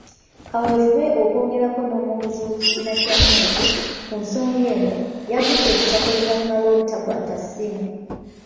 Kaweefube okwogerako n'Omwogezi w'ekibiina kya Nuupu, ku nsonga eno, yagudde butaka oluvannyuma lw'obutakwata ssimu.